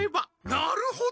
なるほど！